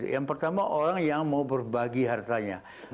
yang pertama orang yang mau berbagi hartanya